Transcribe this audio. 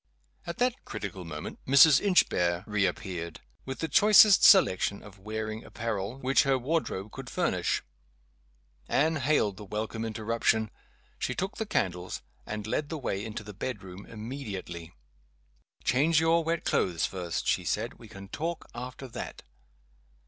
At that critical moment Mrs. Inchbare reappeared, with the choicest selection of wearing apparel which her wardrobe could furnish. Anne hailed the welcome interruption. She took the candles, and led the way into the bedroom immediately. "Change your wet clothes first," she said. "We can talk after that."